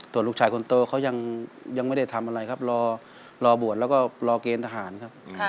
ส่วนลูกชายคนโตเขายังไม่ได้ทำอะไรครับรอบวชแล้วก็รอเกณฑ์ทหารครับ